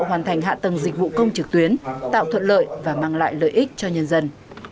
hoàn thành hạ tầng dịch vụ công trực tuyến tạo thuận lợi và mang lại lợi ích cho nhân dân